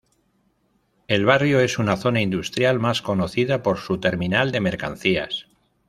El barrio es una zona industrial más conocida por su terminal de mercancías.